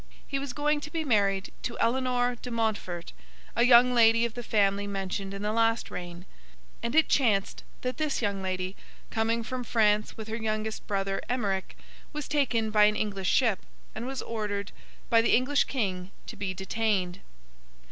He was going to be married to Eleanor de Montfort, a young lady of the family mentioned in the last reign; and it chanced that this young lady, coming from France with her youngest brother, Emeric, was taken by an English ship, and was ordered by the English King to be detained.